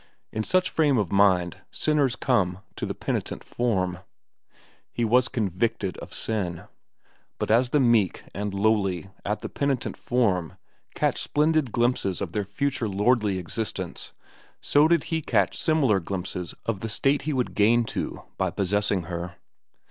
In such frame of mind sinners come to the penitent form. He was convicted of sin. But as the meek and lowly at the penitent form catch splendid glimpses of their future lordly existence, so did he catch similar glimpses of the state he would gain to by possessing her.